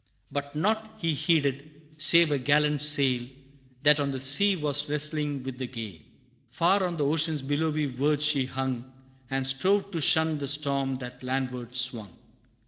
But nought he heeded, save a gallant sail That on the sea was wrestling with the gale. Far on the ocean's billowy verge she hung, And strove to shun the storm that landward swung.